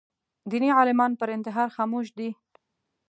دیني عالمان پر انتحار خاموش دي